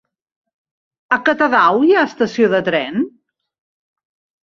A Catadau hi ha estació de tren?